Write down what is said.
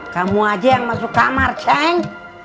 kamu aja yang masuk kamar ceng